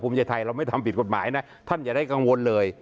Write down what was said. ภูมิใจไทยเราไม่ทำผิดกฎหมายนะท่านอย่าได้กังวลเลย